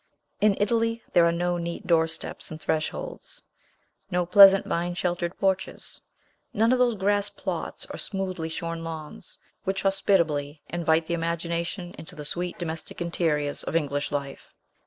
In Italy there are no neat doorsteps and thresholds; no pleasant, vine sheltered porches; none of those grass plots or smoothly shorn lawns, which hospitably invite the imagination into the sweet domestic interiors of English life.